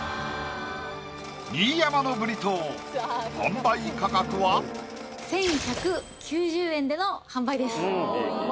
新山のブリトー販売価格は１１９０円での販売です